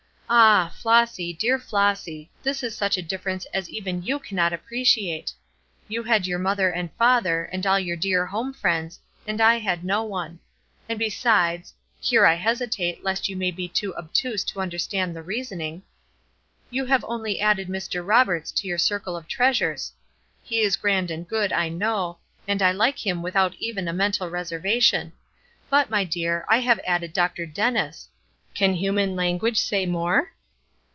Ah! Flossy, dear Flossy, this is such a difference as even you cannot appreciate! You had your mother and father, and all your dear home friends, and I had no one; and besides, here I hesitate, lest you may be too obtuse to understand the reasoning, you have only added Mr. Roberts to your circle of treasures. He is grand and good, I know, and I like him without even a mental reservation; but, my dear, I have added Dr. Dennis! Can human language say more?